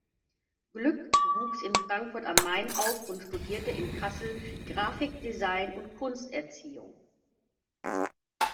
Glück wuchs in Frankfurt am Main auf und studierte in Kassel Grafikdesign und Kunsterziehung.